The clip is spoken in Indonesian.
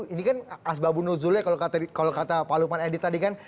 ini kan azbabunul zulai kalau kata pak lupman edi tadi kan